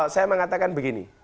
saya mengatakan begini